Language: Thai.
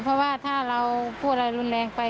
เพราะว่าถ้าเราพูดอะไรรุนแรงไป